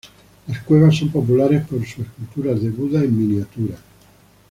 Las cuevas son populares por sus esculturas de Buda en miniatura.